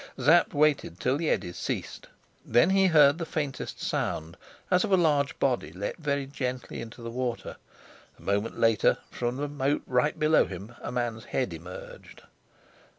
Sapt waited till the eddies ceased. Then he heard the faintest sound, as of a large body let very gently into the water; a moment later, from the moat right below him, a man's head emerged.